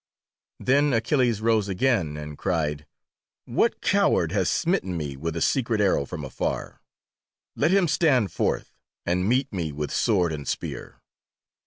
Then Achilles rose again, and cried: "What coward has smitten me with a secret arrow from afar? Let him stand forth and meet me with sword and spear!"